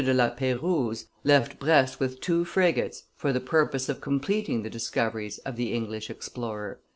de La Peyrouse, left Brest with two frigates for the purpose of completing the discoveries of the English explorer.